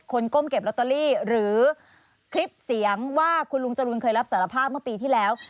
ก้มเก็บลอตเตอรี่หรือคลิปเสียงว่าคุณลุงจรูนเคยรับสารภาพเมื่อปีที่แล้ว